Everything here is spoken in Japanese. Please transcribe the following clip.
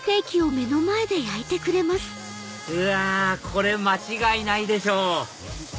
うわこれ間違いないでしょ！